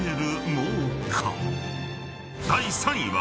［第３位は］